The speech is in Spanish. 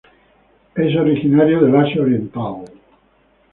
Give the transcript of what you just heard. Es originario del Asia oriental.